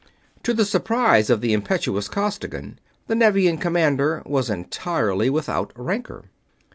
To the surprise of the impetuous Costigan, the Nevian commander was entirely without rancor.